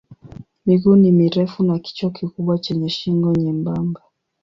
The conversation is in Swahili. Miguu ni mirefu na kichwa kikubwa chenye shingo nyembamba.